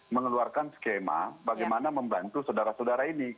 mengeluarkan skema bagaimana membantu saudara saudara ini